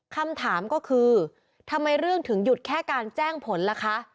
คำถามก็คือทำไมเรื่องถึงหยุดแค่การแจ้งผลล่ะคะ